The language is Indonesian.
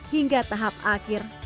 hingga tahap akhir